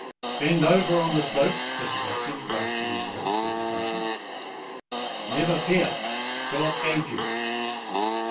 "Bend over on the slope," said the captain, grasp ing the rope, with the sergeant. "Never fear." "God aid you!"